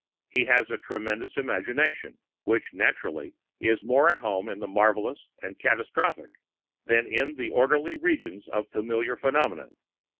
He has a tremendous imagination, which naturally is more at home in the marvelous and catastrophic than in the orderly regions of familiar phenomena.